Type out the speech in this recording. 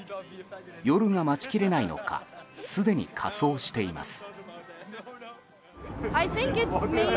夜が待ちきれないのかすでに仮装しています。